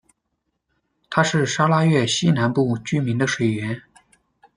它是沙拉越西南部居民的水源。